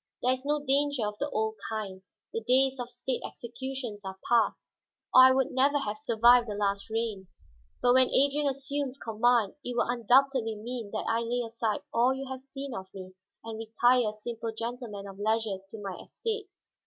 There is no danger of the old kind; the days of state executions are past, or I would never have survived the last reign. But when Adrian assumes command it will undoubtedly mean that I lay aside all you have seen of me, and retire a simple gentleman of leisure to my estates.